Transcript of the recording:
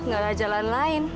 gak ada jalan lain